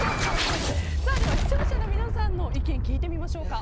視聴者の皆さんの意見聞いてみましょうか。